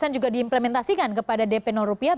juga diimplementasikan kepada dp rupiah